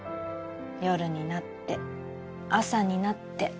「夜になって朝になって」